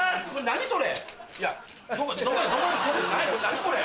何それ！